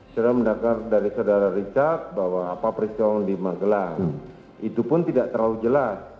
saudara mendengar dari saudara richard bahwa apa peristiwa di magelang itu pun tidak terlalu jelas